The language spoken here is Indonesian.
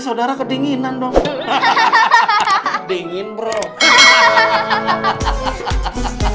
saudara kedinginan dong hahaha dingin bro hahaha hahaha